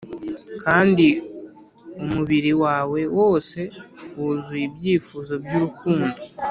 kandi umubiri wawe wose wuzuye ibyifuzo byurukundo!